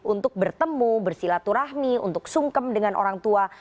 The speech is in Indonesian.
untuk bertemu bersilaturahmi untuk sungkem dengan orang tua